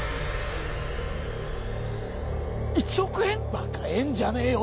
バカ円じゃねえよ